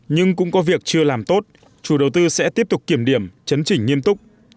nhưng cũng có việc chưa làm tốt chủ đầu tư sẽ tiếp tục kiểm điểm chấn chỉnh nghiêm túc